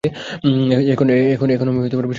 এখন আমি বিশ্বাসঘাতক হয়ে গেলাম?